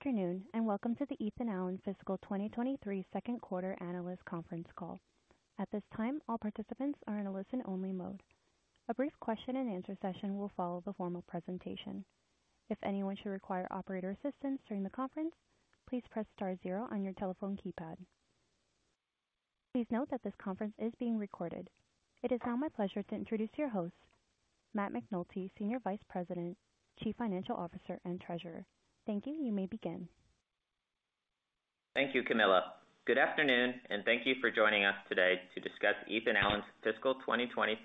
Good afternoon, welcome to the Ethan Allen Fiscal 2023 Second Quarter Analyst Conference Call. At this time, all participants are in a listen-only mode. A brief question-and-answer session will follow the formal presentation. If anyone should require operator assistance during the conference, please press star zero on your telephone keypad. Please note that this conference is being recorded. It is now my pleasure to introduce your host, Matt McNulty, Senior Vice President, Chief Financial Officer, and Treasurer. Thank you. You may begin. Thank you, Camilla. Good afternoon, thank you for joining us today to discuss Ethan Allen's fiscal 2023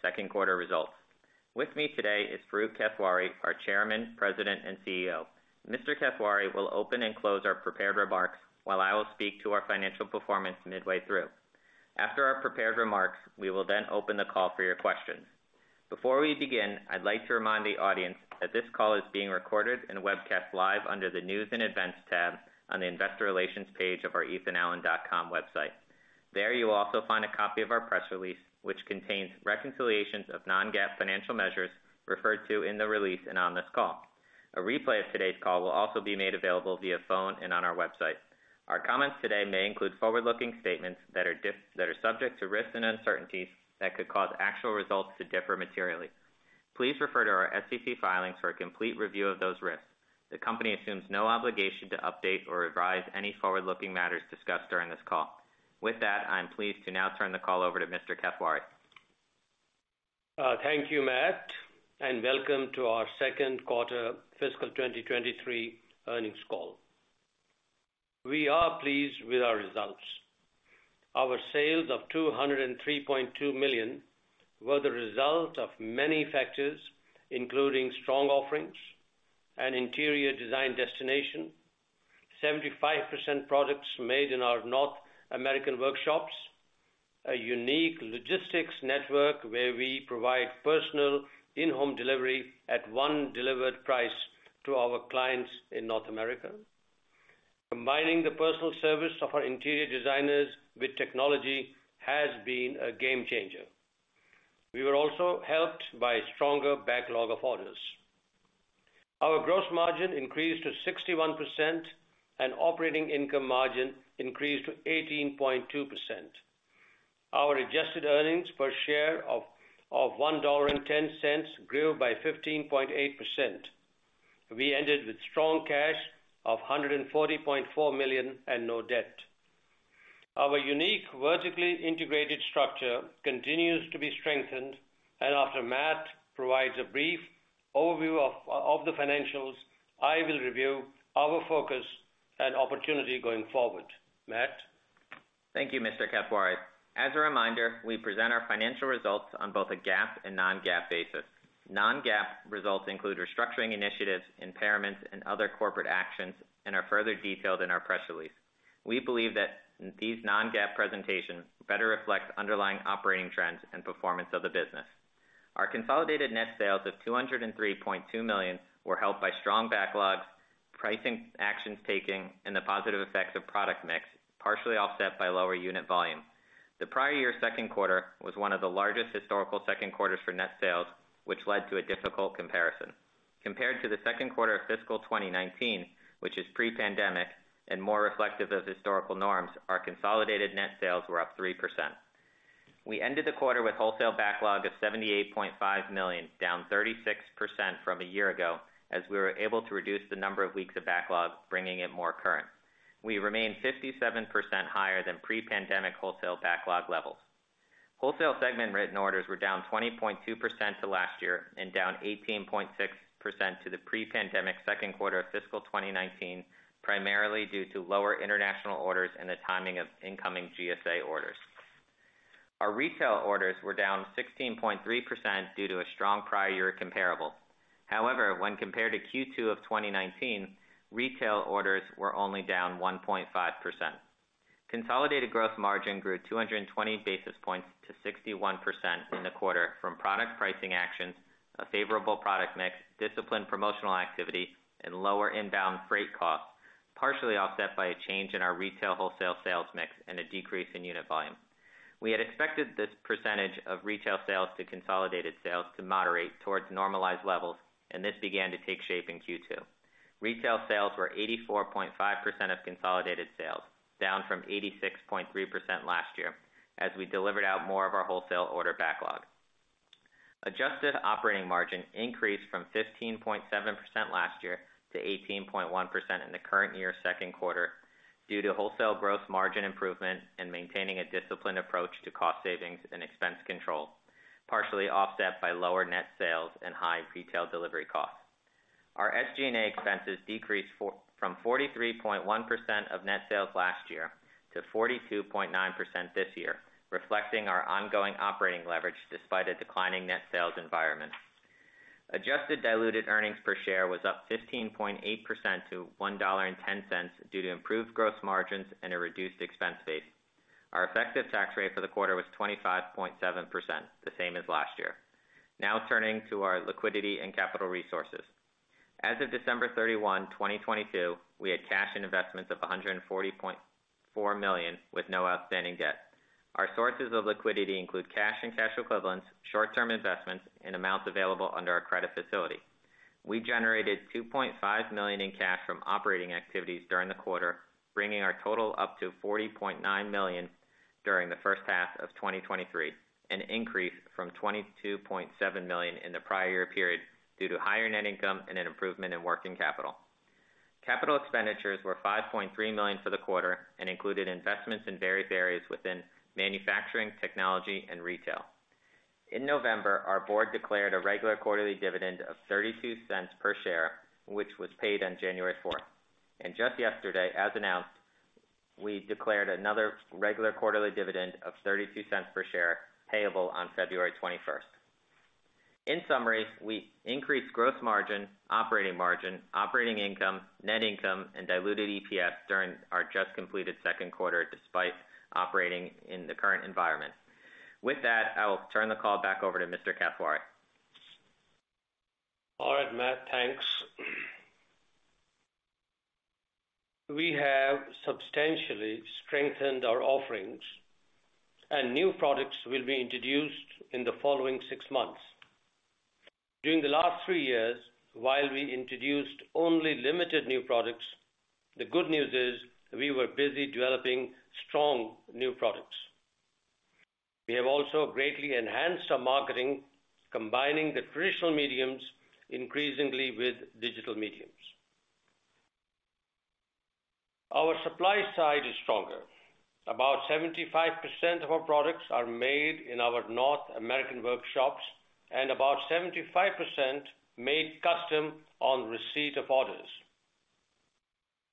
second quarter results. With me today is Farooq Kathwari, our Chairman, President, and CEO. Mr. Kathwari will open and close our prepared remarks, while I will speak to our financial performance midway through. After our prepared remarks, we will open the call for your questions. Before we begin, I'd like to remind the audience that this call is being recorded and webcast live under the News & Events tab on the Investor Relations page of our ethanallen.com website. There, you will also find a copy of our press release, which contains reconciliations of non-GAAP financial measures referred to in the release and on this call. A replay of today's call will also be made available via phone and on our website. Our comments today may include forward-looking statements that are subject to risks and uncertainties that could cause actual results to differ materially. Please refer to our SEC filings for a complete review of those risks. The company assumes no obligation to update or revise any forward-looking matters discussed during this call. With that, I am pleased to now turn the call over to Mr. Kathwari. Thank you, Matt, and welcome to our second quarter fiscal 2023 earnings call. We are pleased with our results. Our sales of $203.2 million were the result of many factors, including strong offerings and Interior Design Destination, 75% products made in our North American workshops, a unique logistics network where we provide personal in-home delivery at one delivered price to our clients in North America. Combining the personal service of our interior designers with technology has been a game changer. We were also helped by a stronger backlog of orders. Our gross margin increased to 61%, and operating income margin increased to 18.2%. Our adjusted earnings per share of $1.10 grew by 15.8%. We ended with strong cash of $140.4 million and no debt. Our unique vertically integrated structure continues to be strengthened. After Matt provides a brief overview of the financials, I will review our focus and opportunity going forward. Matt? Thank you, Mr. Kathwari. As a reminder, we present our financial results on both a GAAP and non-GAAP basis. Non-GAAP results include restructuring initiatives, impairments, and other corporate actions and are further detailed in our press release. We believe that these non-GAAP presentations better reflect underlying operating trends and performance of the business. Our consolidated net sales of $203.2 million were helped by strong backlogs, pricing actions taking, and the positive effects of product mix, partially offset by lower unit volume. The prior year's second quarter was one of the largest historical second quarters for net sales, which led to a difficult comparison. Compared to the second quarter of fiscal 2019, which is pre-pandemic and more reflective of historical norms, our consolidated net sales were up 3%. We ended the quarter with wholesale backlog of $78.5 million, down 36% from a year ago, as we were able to reduce the number of weeks of backlog, bringing it more current. We remain 57% higher than pre-pandemic wholesale backlog levels. Wholesale segment written orders were down 20.2% to last year and down 18.6% to the pre-pandemic second quarter of fiscal 2019, primarily due to lower international orders and the timing of incoming GSA orders. Our retail orders were down 16.3% due to a strong prior year comparable, when compared to Q2 of 2019, retail orders were only down 1.5%. Consolidated gross margin grew 220 basis points to 61% in the quarter from product pricing actions, a favorable product mix, disciplined promotional activity, and lower inbound freight costs, partially offset by a change in our retail wholesale sales mix and a decrease in unit volume. We had expected this percentage of retail sales to consolidated sales to moderate towards normalized levels. This began to take shape in Q2. Retail sales were 84.5% of consolidated sales, down from 86.3% last year as we delivered out more of our wholesale order backlog. Adjusted operating margin increased from 15.7% last year to 18.1% in the current year's second quarter due to wholesale gross margin improvement and maintaining a disciplined approach to cost savings and expense control, partially offset by lower net sales and high retail delivery costs. Our SG&A expenses decreased from 43.1% of net sales last year to 42.9% this year, reflecting our ongoing operating leverage despite a declining net sales environment. Adjusted diluted earnings per share was up 15.8% to $1.10 due to improved gross margins and a reduced expense base. Our effective tax rate for the quarter was 25.7%, the same as last year. Turning to our liquidity and capital resources. As of December 31, 2022, we had cash and investments of $140.4 million with no outstanding debt. Our sources of liquidity include cash and cash equivalents, short-term investments, and amounts available under our credit facility. We generated $2.5 million in cash from operating activities during the quarter, bringing our total up to $40.9 million during the first half of 2023, an increase from $22.7 million in the prior year period due to higher net income and an improvement in working capital. Capital expenditures were $5.3 million for the quarter and included investments in various areas within manufacturing, technology, and retail. In November, our board declared a regular quarterly dividend of $0.32 per share, which was paid on January 4. Yesterday, as announced, we declared another regular quarterly dividend of $0.32 per share, payable on February 21st. In summary, we increased gross margin, operating margin, operating income, net income, and diluted EPS during our just completed second quarter despite operating in the current environment. With that, I will turn the call back over to Mr. Kathwari. All right, Matt, thanks. We have substantially strengthened our offerings and new products will be introduced in the following 6 months. During the last 3 years, while we introduced only limited new products, the good news is we were busy developing strong new products. We have also greatly enhanced our marketing, combining the traditional mediums increasingly with digital mediums. Our supply side is stronger. About 75% of our products are made in our North American workshops, and about 75% made custom on receipt of orders.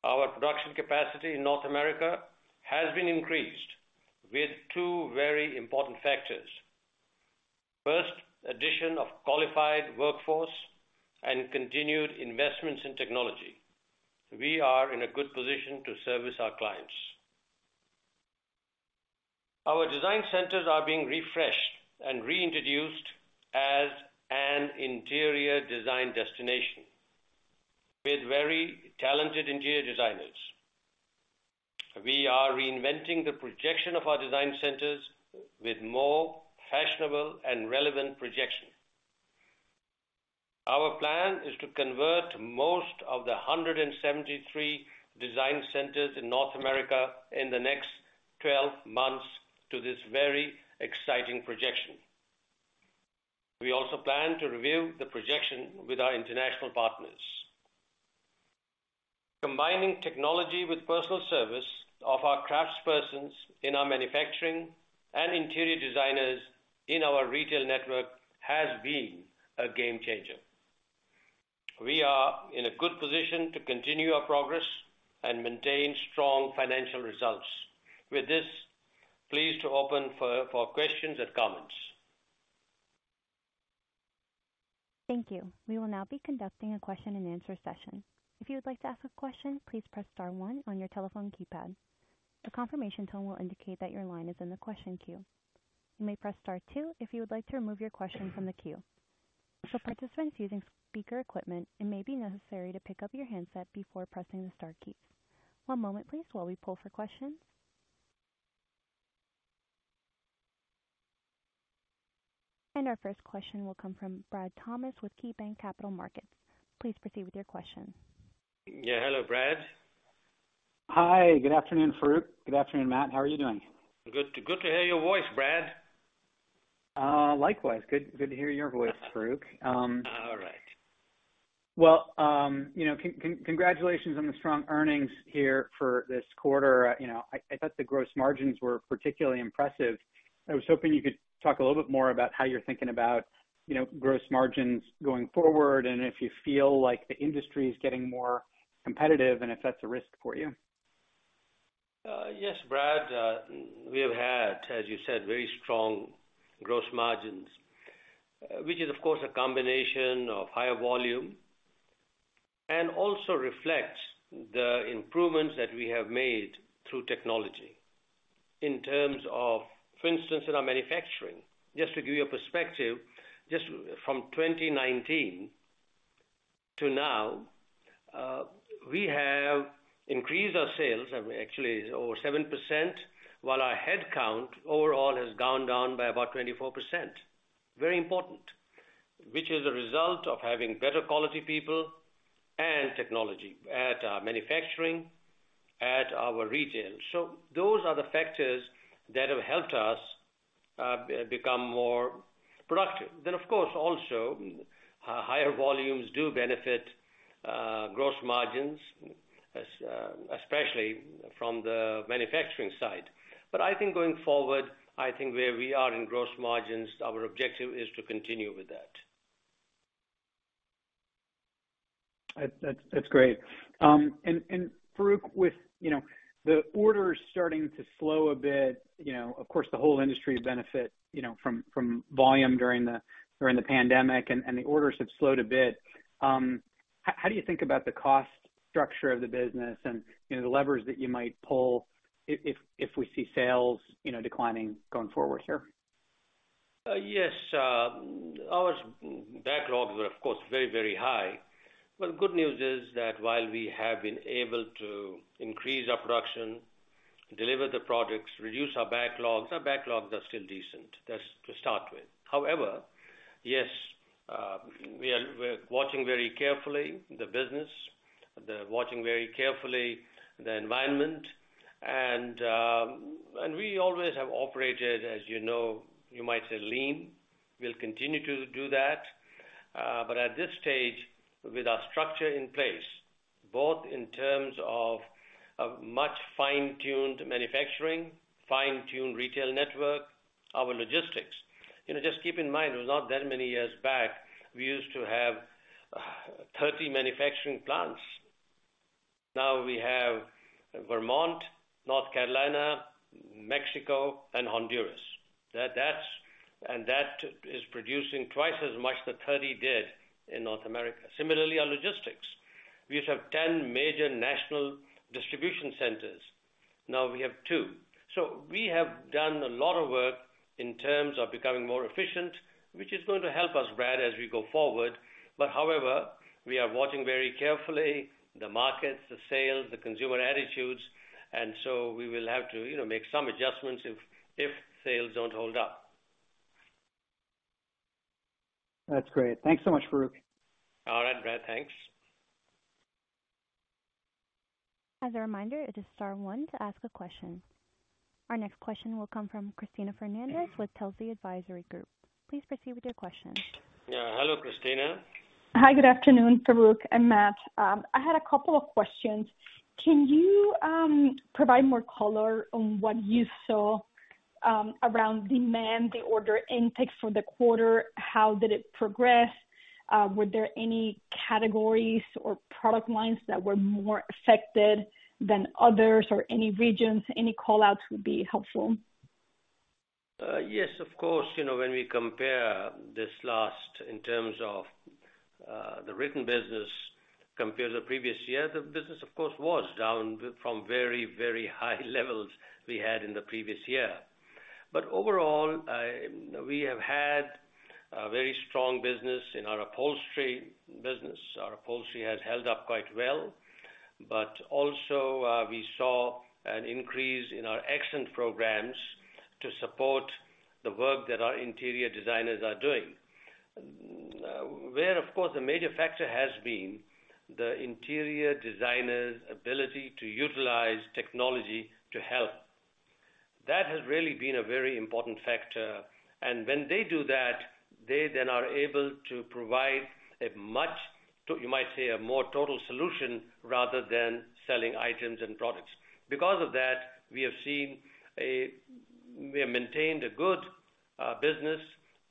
Our production capacity in North America has been increased with 2 very important factors. First, addition of qualified workforce and continued investments in technology. We are in a good position to service our clients. Our design centers are being refreshed and reintroduced as an Interior Design Destination with very talented interior designers. We are reinventing the projection of our design centers with more fashionable and relevant projection. Our plan is to convert most of the 173 design centers in North America in the next 12 months to this very exciting projection. We also plan to review the projection with our international partners. Combining technology with personal service of our craftspersons in our manufacturing and interior designers in our retail network has been a game changer. We are in a good position to continue our progress and maintain strong financial results, with this, pleased to open for questions and comments. Thank you. We will now be conducting a question-and-answer session. If you would like to ask a question, please press star one on your telephone keypad. A confirmation tone will indicate that your line is in the question queue. You may press star two if you would like to remove your question from the queue. For participants using speaker equipment, it may be necessary to pick up your handset before pressing the star keys. 1 moment, please, while we pull for questions. Our first question will come from Bradley Thomas with KeyBanc Capital Markets. Please proceed with your question. Yeah. Hello, Brad. Hi. Good afternoon, Farooq. Good afternoon, Matt. How are you doing? Good to hear your voice, Brad. Likewise. Good to hear your voice, Farooq. All right. Congratulations on the strong earnings here for this quarter. I thought the gross margins were particularly impressive. I was hoping you could talk a little bit more about how you're thinking about, you know, gross margins going forward, and if you feel like the industry is getting more competitive, and if that's a risk for you? Yes, Brad. We have had, as you said, very strong gross margins, which is of course, a combination of higher volume, and also reflects the improvements that we have made through technology in terms of, for instance, in our manufacturing. Just to give you a perspective, just from 2019 to now, we have increased our sales of actually over 7%, while our headcount overall has gone down by about 24%. Very important, which is a result of having better quality people and technology at our manufacturing, at our retail. Those are the factors that have helped us become more productive. Of course, also, higher volumes do benefit gross margins, especially from the manufacturing side. I think going forward, I think where we are in gross margins, our objective is to continue with that. That's great. Farooq with, you know, the orders starting to slow a bit, you know, of course, the whole industry benefit, you know, from volume during the pandemic, and the orders have slowed a bit. How do you think about the cost structure of the business and, you know, the levers that you might pull if we see sales, you know, declining going forward here? Yes. Our backlogs were of course very, very high. Good news is that while we have been able to increase our production, deliver the products, reduce our backlogs, our backlogs are still decent. That's to start with. However, yes, we are, we're watching very carefully the business, the watching very carefully the environment and we always have operated, as you know, you might say lean. We'll continue to do that. At this stage, with our structure in place, both in terms of a much fine-tuned manufacturing, fine-tuned retail network, our logistics. You know, just keep in mind, it was not that many years back, we used to have 30 manufacturing plants. Now we have Vermont, North Carolina, Mexico and Honduras. That is producing twice as much the 30 did in North America. Similarly, our logistics. We used to have 10 major national distribution centers. Now we have two. We have done a lot of work in terms of becoming more efficient, which is going to help us, Brad, as we go forward. However, we are watching very carefully the markets, the sales, the consumer attitudes, we will have to, you know, make some adjustments if sales don't hold up. That's great. Thanks so much, Farooq. All right, Brad. Thanks. As a reminder, it is star one to ask a question. Our next question will come from Cristina Fernandez with Telsey Advisory Group. Please proceed with your question. Yeah. Hello, Cristina. Hi. Good afternoon, Farooq and Matt. I had a couple of questions. Can you provide more color on what you saw around demand, the order intake for the quarter? How did it progress? Were there any categories or product lines that were more affected than others or any regions? Any call outs would be helpful. Yes, of course. When we compare this last in terms of the written business compared to previous year, the business of course was down from very, very high levels we had in the previous year. Overall, we have had a very strong business in our upholstery business. Our upholstery has held up quite well, but also, we saw an increase in our accent programs to support the work that our interior designers are doing. Where of course, the major factor has been the interior designer's ability to utilize technology to help. That has really been a very important factor. When they do that, they then are able to provide a much, you might say, a more total solution rather than selling items and products. Because of that, we have seen we have maintained a good business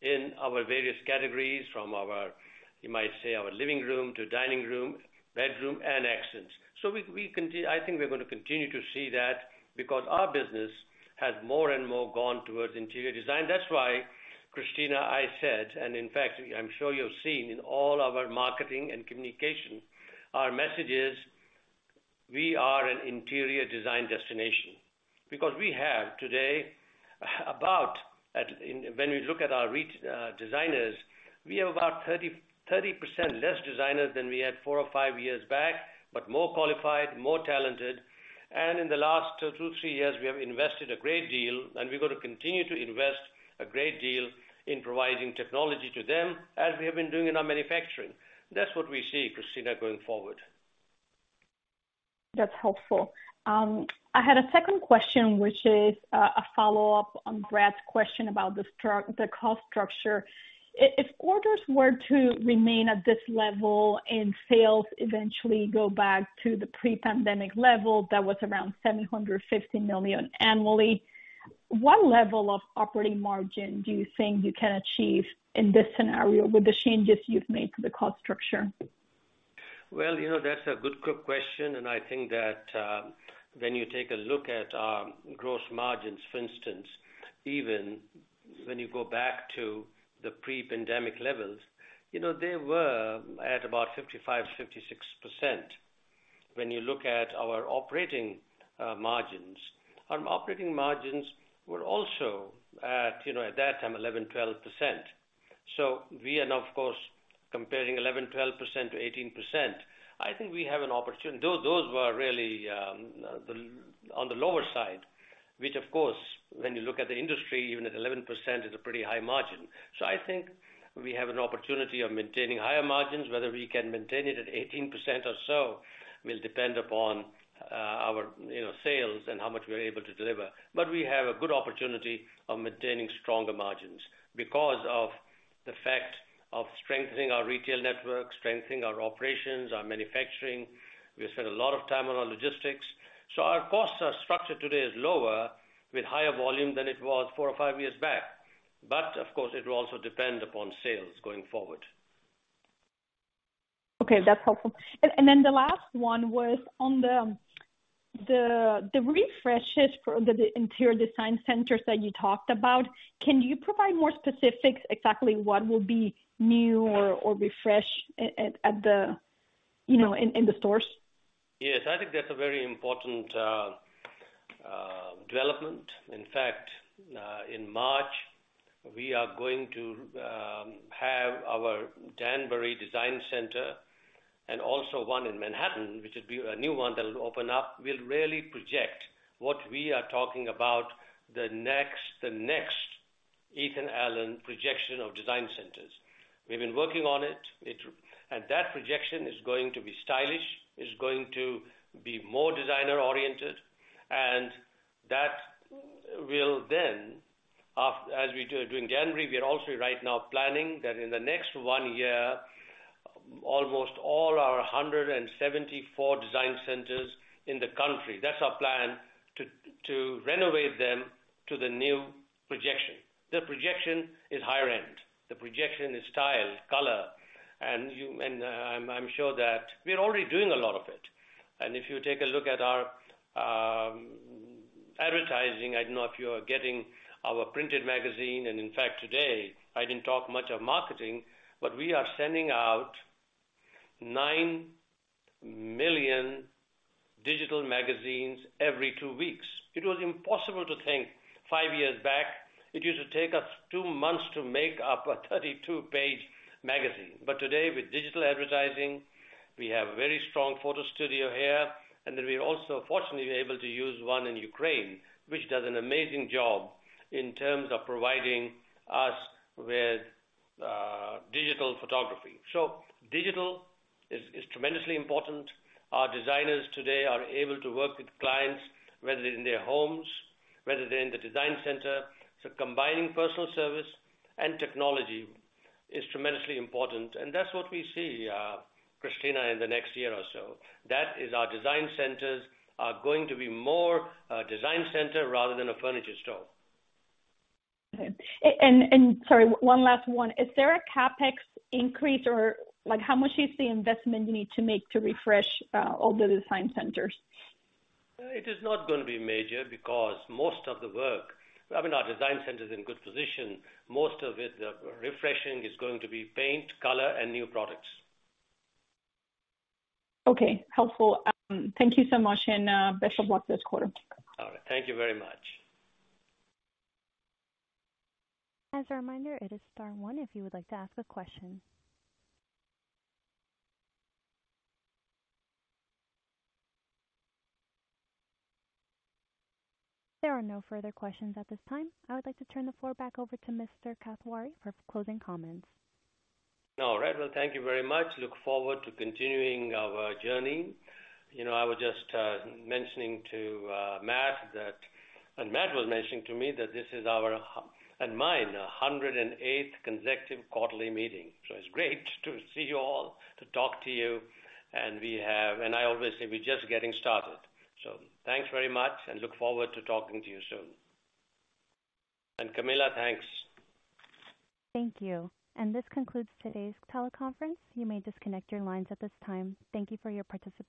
in our various categories from our, you might say, our living room to dining room, bedroom and accents. We, I think we're gonna continue to see that because our business has more and more gone towards interior design. That's why, Cristina, I said, and in fact, I'm sure you've seen in all our marketing and communication, our message is, we are an Interior Design Destination. We have today about when we look at our designers, we have about 30% less designers than we had 4 or 5 years back, but more qualified, more talented. In the last 2-3 years, we have invested a great deal, and we're gonna continue to invest a great deal in providing technology to them as we have been doing in our manufacturing. That's what we see, Cristina, going forward. That's helpful. I had a second question, which is a follow-up on Brad's question about the cost structure. If orders were to remain at this level and sales eventually go back to the pre-pandemic level, that was around $750 million annually, what level of operating margin do you think you can achieve in this scenario with the changes you've made to the cost structure? Well, you know, that's a good question. I think that, when you take a look at our gross margins, for instance, even when you go back to the pre-pandemic levels, you know, they were at about 55%-56%. When you look at our operating margins, our operating margins were also at, you know, at that time, 11%-12%. We are now, of course, comparing 11%-12% to 18%. I think we have an opportunity. Those were really on the lower side, which of course, when you look at the industry, even at 11% is a pretty high margin. We have an opportunity of maintaining higher margins. Whether we can maintain it at 18% or so will depend upon our, you know, sales and how much we are able to deliver. We have a good opportunity of maintaining stronger margins because of the fact of strengthening our retail network, strengthening our operations, our manufacturing. We spent a lot of time on our logistics. Our costs are structured today as lower with higher volume than it was four or five years back. Of course, it will also depend upon sales going forward. Okay, that's helpful. Then the last one was on the refreshes for the interior design centers that you talked about. Can you provide more specifics exactly what will be new or refresh at the, you know, in the stores? Yes, I think that's a very important development. In fact, in March, we are going to have our Danbury Design Center and also one in Manhattan, which would be a new one that will open up, will really project what we are talking about the next Ethan Allen projection of design centers. We've been working on it. That projection is going to be stylish, is going to be more designer-oriented, and that will then, as we do it during January, we are also right now planning that in the next 1 year, almost all our 174 design centers in the country. That's our plan to renovate them to the new projection. The projection is higher end, the projection is style, color. I'm sure that we are already doing a lot of it. If you take a look at our advertising, I don't know if you are getting our printed magazine. Today, I didn't talk much of marketing, we are sending out 9 million digital magazines every 2 weeks. It was impossible to think 5 years back. It used to take us 2 months to make up a 32-page magazine. Today, with digital advertising, we have very strong photo studio here, we also fortunately were able to use one in Ukraine, which does an amazing job in terms of providing us with digital photography. Digital is tremendously important. Our designers today are able to work with clients, whether they're in their homes, whether they're in the design center. Combining personal service and technology is tremendously important. That's what we see, Cristina, in the next year or so. That is our design centers are going to be more a design center rather than a furniture store. Okay. Sorry, one last one. Is there a CapEx increase or like, how much is the investment you need to make to refresh, all the design centers? It is not gonna be major because most of the work. I mean, our design center is in good position. Most of it, the refreshing is going to be paint, color and new products. Okay, helpful. Thank you so much and best of luck this quarter. All right. Thank you very much. As a reminder, it is star one if you would like to ask a question. There are no further questions at this time. I would like to turn the floor back over to Mr. Kathwari for closing comments. All right. Well, thank you very much. Look forward to continuing our journey. You know, I was just mentioning to Matt that, and Matt was mentioning to me that this is our and mine, 108th consecutive quarterly meeting. It's great to see you all, to talk to you. I always say we're just getting started. Thanks very much and look forward to talking to you soon. Camilla, thanks. Thank you. This concludes today's teleconference. You may disconnect your lines at this time. Thank you for your participation.